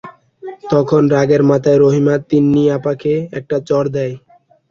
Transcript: তখন রাগের মাথায় রহিমা তিন্নি আপাকে একটা চড় দেয়।